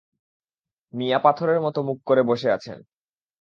মিয়া পাথরের মতো মুখ করে বসে আছেন।